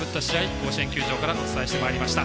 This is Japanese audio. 甲子園球場からお伝えしました。